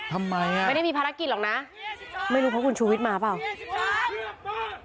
ทำไมอ่ะไม่ได้มีภารกิจหรอกนะไม่รู้เพราะคุณชูวิทย์มาเปล่า